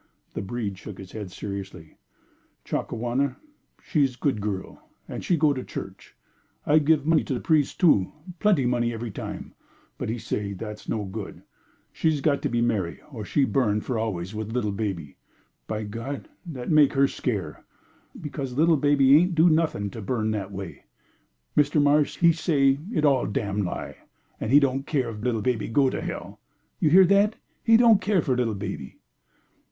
The breed shook his head seriously. "Chakawana she's good girl, and she go to church; I give money to the pries' too, plenty money every time, but he says that's no good she's got to be marry or she'll burn for always with little baby. By God! that's make her scare', because little baby ain't do nothing to burn that way. Mr. Marsh he say it's all damn lie, and he don't care if little baby do go to hell. You hear that? He don't care for little baby."